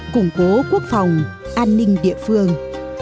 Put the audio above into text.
củng cố quốc phòng an ninh địa phương